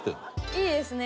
いいですね。